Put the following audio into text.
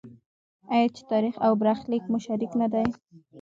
آیا چې تاریخ او برخلیک مو شریک نه دی؟